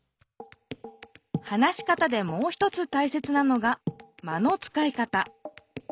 話し方でもう一つたいせつなのが「間のつかい方」。